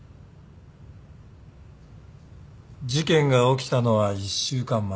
事件が起きたのは１週間前。